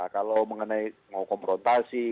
kalau mengenai mau komprotasi